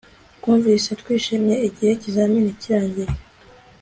Twumvise twishimye igihe ikizamini kirangiye